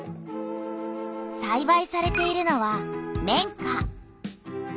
さいばいされているのは綿花。